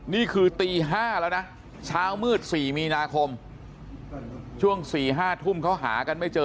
นี่คือตี๕แล้วนะเช้ามืด๔มีนาคมช่วง๔๕ทุ่มเขาหากันไม่เจอ